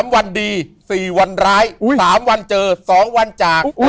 ๓วันดี๔วันร้าย๓วันเจอ๒วันจาก